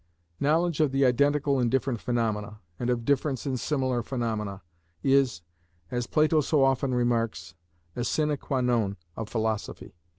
Knowledge of the identical in different phenomena, and of difference in similar phenomena, is, as Plato so often remarks, a sine qua non of philosophy.